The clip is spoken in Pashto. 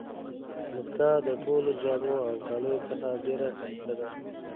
مسکا د ټولو جامو او کالیو څخه ډېره ښایسته ده.